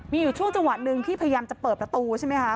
มีอยู่ช่วงจังหวะหนึ่งที่พยายามจะเปิดประตูใช่ไหมคะ